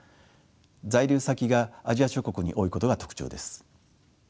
在留先がアジア諸国に多いことが特徴です。